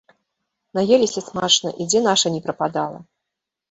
Наеліся смачна і дзе наша ні прападала!